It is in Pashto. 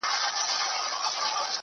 دغه دی ويې گوره دا لونگ ښه يمه,